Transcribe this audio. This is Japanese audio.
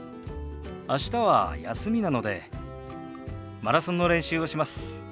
明日は休みなのでマラソンの練習をします。